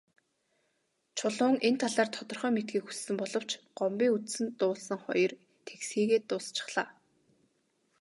Чулуун энэ талаар тодорхой мэдэхийг хүссэн боловч Гомбын үзсэн дуулсан хоёр тэгсхийгээд дуусчихлаа.